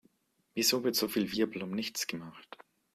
Wieso wird so viel Wirbel um nichts gemacht?